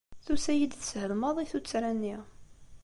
Tusa-yi-d teshel maḍi tuttra-nni.